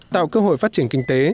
tạo cơ hội phát triển kinh tế